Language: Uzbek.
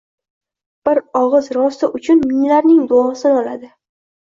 Bir og’iz Rosti uchun minglarning duosini oladi.